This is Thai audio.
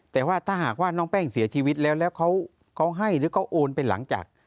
แต่ว่าถ้าหากว่าน้องแป้งเสียชีวิตแล้วแล้วเขาให้หรือเขาโอนไปหลังจาก